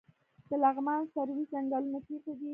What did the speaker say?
د لغمان سروې ځنګلونه چیرته دي؟